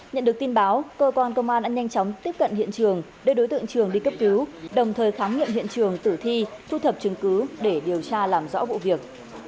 nhận được tin báo cơ quan công an đã nhanh chóng tiếp cận hiện trường đưa đối tượng trường đi cấp cứu đồng thời khám nghiệm hiện trường tử thi thu thập chứng cứ để điều tra làm rõ vụ việc